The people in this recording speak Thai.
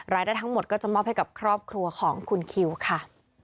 รายได้ทั้งหมดก็จะมอบให้กับครอบครัวของคุณคิวค่ะ